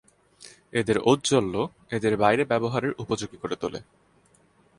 এদের ঔজ্জ্বল্য এদের বাইরে ব্যবহারের উপযোগী করে তোলে।